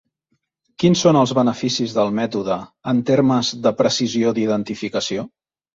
Quins són els beneficis del mètode en termes de precisió d'identificació?